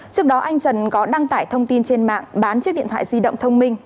trước đó anh trần có đăng tải thông tin trên mạng bán chiếc điện thoại di động thông minh